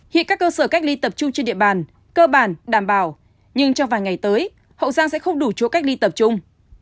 hiện các cơ sở cách ly tập trung trên địa bàn cơ bản đảm bảo nhưng trong vài ngày tới hậu giang sẽ không đủ chỗ cách ly tập trung